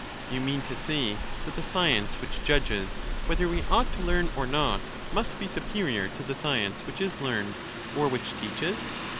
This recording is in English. You mean to say that the science which judges whether we ought to learn or not, must be superior to the science which is learned or which teaches